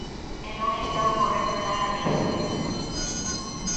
E non está ocorrendo nada disto.